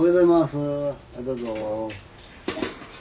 はいどうぞ。